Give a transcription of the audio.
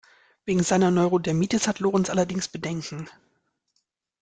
Wegen seiner Neurodermitis hat Lorenz allerdings Bedenken.